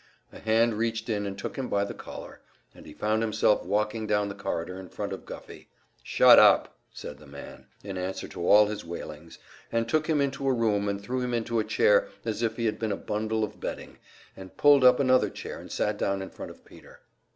A hand reached in and took him by the collar, and he found himself walking down the corridor in front of Guffey. "Shut up!" said the man, in answer to all his wailings, and took him into a room and threw him into a chair as if he had been a bundle of bedding, and pulled up another chair and sat down in front of Peter.